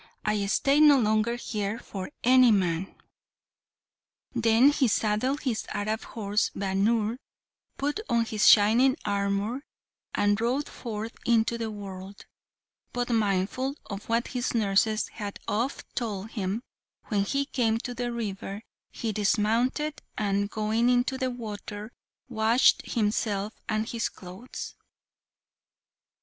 I stay no longer here for any man!" Then he saddled his Arab horse Bhaunr, put on his shining armour, and rode forth into the world; but mindful of what his nurses had oft told him, when he came to the river, he dismounted, and, going into the water, washed himself and his clothes.